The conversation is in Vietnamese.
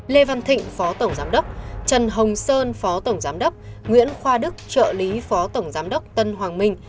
lê văn thịnh phó tổng giám đốc trần hồng sơn phó tổng giám đốc nguyễn khoa đức trợ lý phó tổng giám đốc tân hoàng minh